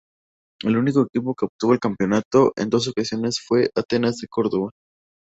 El único equipo que obtuvo el campeonato en dos ocasiones fue Atenas de Córdoba.